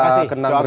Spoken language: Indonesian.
amin terima kasih